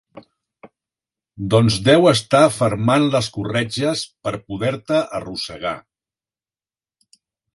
Doncs deu estar fermant les corretges per poder-te arrossegar.